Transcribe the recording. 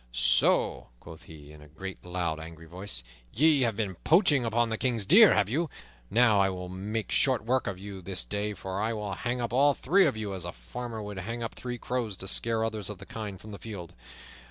"So," quoth he, in a great, loud, angry voice, "ye have been poaching upon the King's deer, have you? Now I will make short work of you this day, for I will hang up all three of you as a farmer would hang up three crows to scare others of the kind from the field.